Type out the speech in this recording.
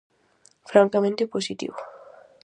Francamente positivo.